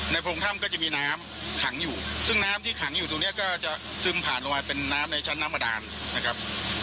โพรงถ้ำก็จะมีน้ำขังอยู่ซึ่งน้ำที่ขังอยู่ตรงเนี้ยก็จะซึมผ่านลงมาเป็นน้ำในชั้นน้ำบาดานนะครับ